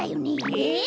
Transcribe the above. えっ？